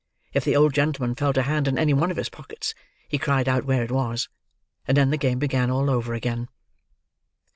If the old gentlman felt a hand in any one of his pockets, he cried out where it was; and then the game began all over again.